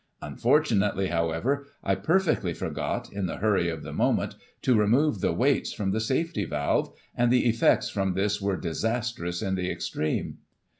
Unfor tunately, however, I perfectly forgot, in the hurry of the moment, to remove the weights from the safety valve, and the effects from this were diszistrous in the extreme.